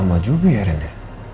lama juga ya reina